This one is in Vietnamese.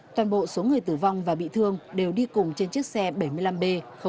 toàn bộ số người tử vong và bị thương đều đi cùng trên chiếc xe bảy mươi năm b năm mươi hai